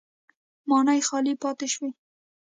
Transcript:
ماڼۍ خالي پاتې شوې.